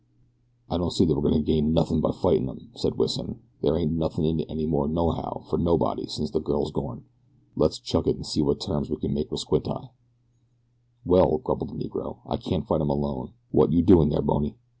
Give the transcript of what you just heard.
"I don't see that we're goin' to gain nothin' by fightin' 'em," said Wison. "There ain't nothin' in it any more nohow for nobody since the girl's gorn. Let's chuck it, an' see wot terms we can make with Squint Eye." "Well," grumbled the Negro, "I can't fight 'em alone; What yo doin' dere, Bony?"